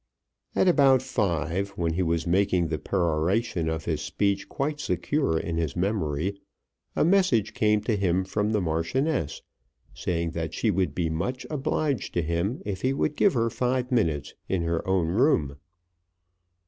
At about five, when he was making the peroration of his speech quite secure in his memory, a message came to him from the Marchioness, saying that she would be much obliged to him if he would give her five minutes in her own room.